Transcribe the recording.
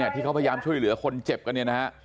ที่เขาช่วยเหลือคนเจ็บกัน